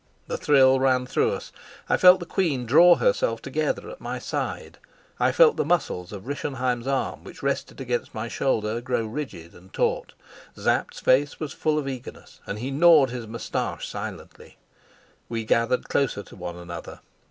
The thrill ran through us; I felt the queen draw herself together at my side; I felt the muscles of Rischenheim's arm which rested against my shoulder grow rigid and taut. Sapt's face was full of eagerness, and he gnawed his moustache silently. We gathered closer to one another.